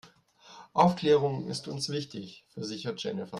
Aufklärung ist uns wichtig, versichert Jennifer.